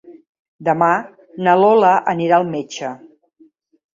Demà na Lola anirà al metge.